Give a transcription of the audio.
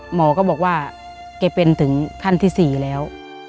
หมอก็บอกว่าแกเป็นถึงขั้นที่๔แล้ว